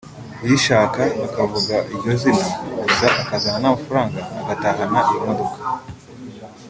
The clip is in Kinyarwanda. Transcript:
uyishaka akavuga iryo zina gusa akazana amafaranga agatahana iyo modoka